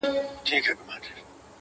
يوازيتوب زه، او ډېوه مړه انتظار,